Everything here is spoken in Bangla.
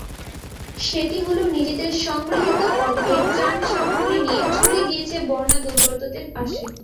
সেটি হলো নিজেদের সংগৃহীত অর্থে ত্রাণ সামগ্রী নিয়ে ছুটে গিয়েছে বন্যাদুর্গতদের পাশে।